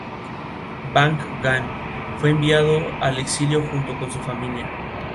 Este formato de archivo se ha portado a otras plataformas.